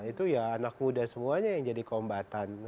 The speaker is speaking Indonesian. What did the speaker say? itu ya anak muda semuanya yang jadi kombatan